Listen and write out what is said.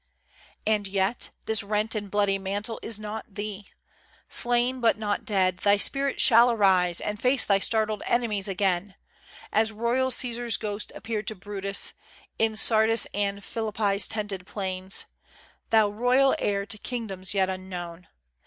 And yet, this rent and bloody mantle is not thee. Slain, but not dead thy spirit shall arise And face thy startled enemies again, As royal Cæsar's ghost appeared to Brutus, In Sardis' and Philippi's tented plains. Thou royal heir to kingdoms yet unknown!